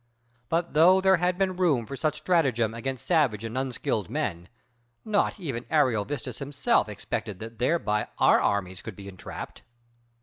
But though there had been room for such stratagem against savage and unskilled men, not even Ariovistus himself expected that thereby our armies could be entrapped.